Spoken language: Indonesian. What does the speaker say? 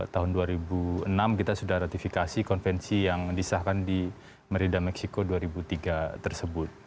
tahun dua ribu enam kita sudah ratifikasi konvensi yang disahkan di merida meksiko dua ribu tiga tersebut